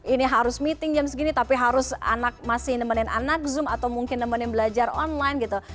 ini harus meeting jam segini tapi harus anak masih nemenin anak zoom atau mungkin nemenin belajar online gitu